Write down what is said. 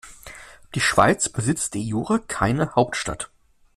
Die Schweiz besitzt de jure keine Hauptstadt.